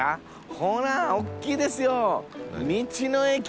ほらおっきいですよ。